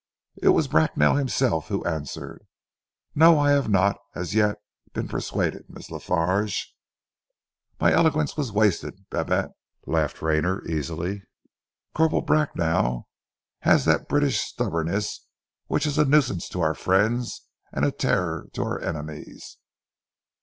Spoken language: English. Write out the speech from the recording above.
It was Bracknell himself who answered. "No, I have not, as yet, been persuaded, Miss La Farge." "My eloquence was wasted, Babette," laughed Rayner easily. "Corporal Bracknell has that British stubbornness which is a nuisance to our friends and a terror to our enemies."